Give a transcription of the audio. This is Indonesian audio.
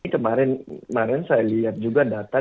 kemarin kemarin saya lihat juga data